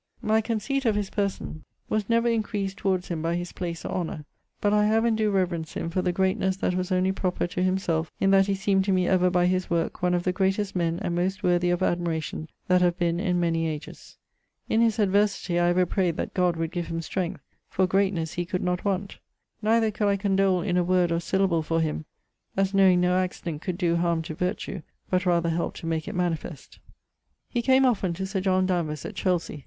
My conceit of his person was never increased towards him by his place or honour, but I have and doe reverence him for the greatnesse that was only proper to himselfe in that he seem'd to me ever by his worke one of the greatest men and most worthy of admiration that have been in many ages. In his adversity I ever prayed that God would give him strength; for greatnes he could not want. Neither could I condole in a word or syllable for him, as knowing no accident could doe harme to vertue but rather helpe to make it manifest. #/ He came often to Sir John Danvers at Chelsey.